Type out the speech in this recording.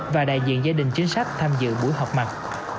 và đại diện gia đình chính sách tham dự buổi họp mặt